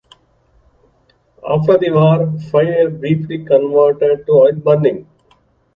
After the war, five were briefly converted to oil burning.